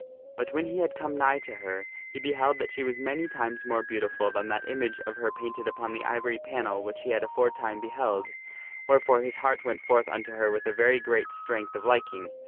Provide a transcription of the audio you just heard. But when he had come nigh to her he beheld that she was many times more beautiful than that image of her painted upon the ivory panel which he had aforetime beheld, wherefore his heart went forth unto her with a very great strength of liking.